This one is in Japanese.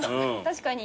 確かに。